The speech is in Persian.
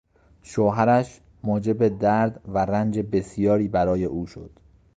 شوهرش موجب درد و رنج بسیاری برای او شد.